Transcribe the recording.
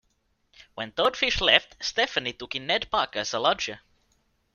When Toadfish left, Stephanie took in Ned Parker as a lodger.